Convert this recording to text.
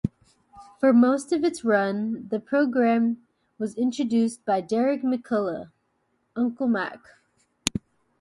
For most of its run, the programme was introduced by Derek McCulloch, Uncle Mac.